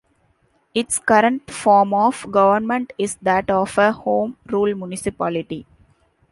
Its current form of government is that of a Home Rule Municipality.